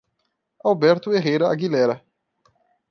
Alberto Herrera Aguilera